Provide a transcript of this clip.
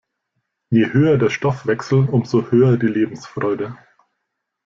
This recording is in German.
Je höher der Stoffwechsel, umso höher die Lebensfreude.